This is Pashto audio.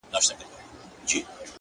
وجود چي د ژوند ټوله محبت خاورې ايرې کړ;